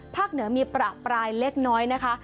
เหนือมีประปรายเล็กน้อยนะคะ